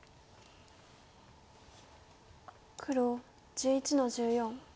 黒１１の十四。